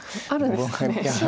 あるんですかね。